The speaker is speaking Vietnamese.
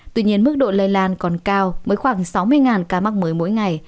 tuy nhiên mức độ lây lan còn cao mới khoảng sáu mươi ca mắc mới mỗi ngày